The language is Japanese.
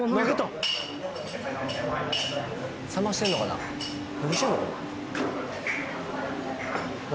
冷ましてんのかな？